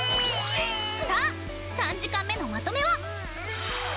さあ３時間目のまとめは。